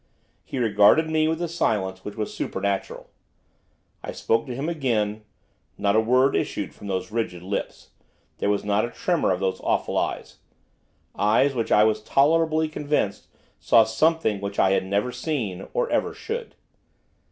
He regarded me with a silence which was supernatural. I spoke to him again; not a word issued from those rigid lips; there was not a tremor of those awful eyes, eyes which I was tolerably convinced saw something which I had never seen, or ever should.